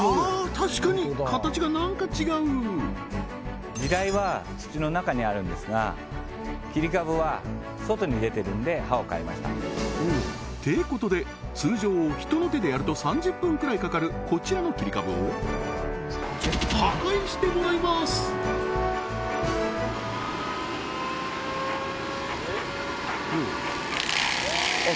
確かに形が何か違う地雷は土の中にあるんですが切り株は外に出てるんで刃を変えましたてことで通常人の手でやると３０分くらいかかるこちらの切り株を破壊してもらいますあっ